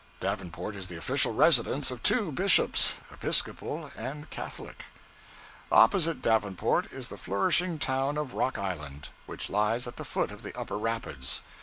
Davenport is the official residence of two bishops Episcopal and Catholic. Opposite Davenport is the flourishing town of Rock Island, which lies at the foot of the Upper Rapids.